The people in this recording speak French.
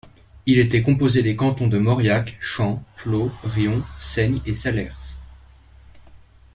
Il était composé des cantons de Mauriac, Champs, Pleaux, Riom, Saignes et Salers.